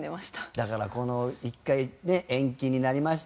だからこの１回ね延期になりました。